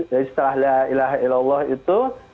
dari istilah ilahe ilallah itu